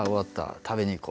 食べに行こう。